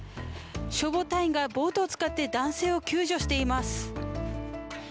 消防隊員がボートを使って男性を救助しています。